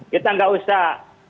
kita nggak usah